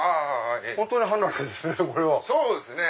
本当に離れですね。